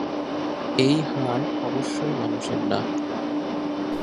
এই হাড় অবশ্যই মানুষের না।